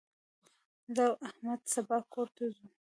زه او احمد سبا کور ته ځو.